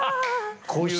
こういう。